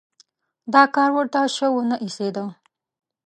دا کار ورته شه ونه ایسېده.